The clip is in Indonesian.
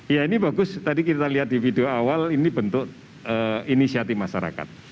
ya ini bagus tadi kita lihat di video awal ini bentuk inisiatif masyarakat